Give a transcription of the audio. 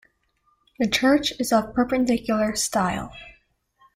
The church is of perpendicular style.